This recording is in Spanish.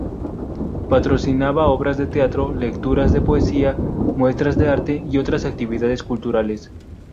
Patrocinaba obras de teatro, lecturas de poesía, muestras de arte y otras actividades culturales.